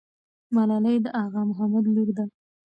ملالۍ د اغا محمد لور ده.